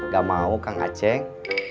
gak mau kang aceh